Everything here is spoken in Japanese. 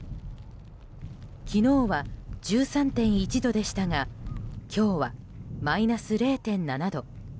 昨日は１３．１度でしたが今日はマイナス０．７度。